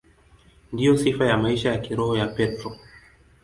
Ndiyo sifa ya maisha ya kiroho ya Petro.